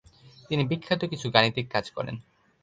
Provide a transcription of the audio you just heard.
তিনি বিখ্যাত কিছু গাণিতিক কাজ করেন।